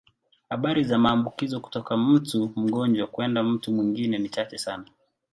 Habari za maambukizo kutoka mtu mgonjwa kwenda mtu mwingine ni chache sana.